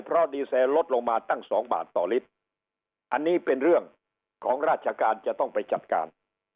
เพราะดีเซลลดลงมาตั้งสองบาทต่อลิตรอันนี้เป็นเรื่องของราชการจะต้องไปจัดการ